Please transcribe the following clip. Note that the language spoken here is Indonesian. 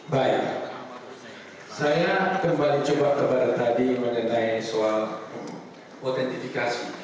baik saya kembali coba kepada tadi mengenai soal autentifikasi